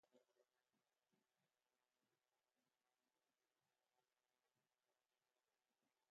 Muchos chinos tenían puestos ambulantes y vendían ramen y dumplings a los trabajadores.